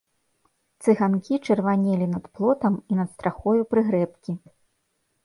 Цыганкі чырванелі над плотам і над страхою прыгрэбкі.